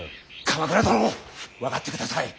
鎌倉殿分かってください。